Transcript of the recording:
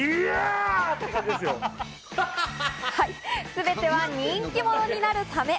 全ては人気者になるため。